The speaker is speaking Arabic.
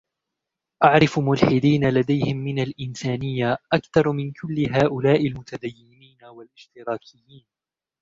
أعرف ملحدين لديهم من الإنسانية أكثر من كل هؤلاء المتدينين والاشتراكيين.